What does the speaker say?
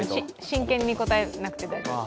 真剣に答えなくて大丈夫。